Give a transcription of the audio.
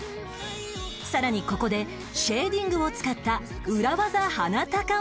さらにここでシェーディングを使った裏技鼻高メイク